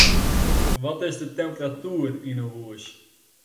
Wat is de temperatuer yn 'e hús?